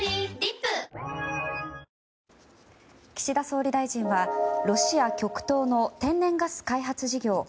岸田総理大臣はロシア極東の天然ガス開発事業